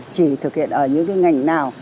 chỉ thực hiện ở những cái ngành nào